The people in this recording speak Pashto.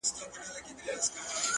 • په جرګو کي به ګرېوان ورته څیرمه,